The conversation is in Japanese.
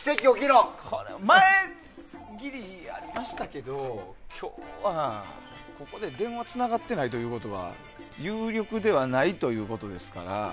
前、ギリありましたけど今日はここで電話つながってないということは有力ではないということですから。